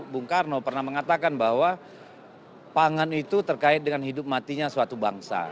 bung karno pernah mengatakan bahwa pangan itu terkait dengan hidup matinya suatu bangsa